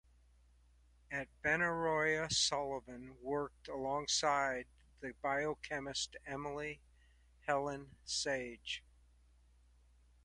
At Benaroya Sullivan worked alongside the biochemist Emily Helene Sage.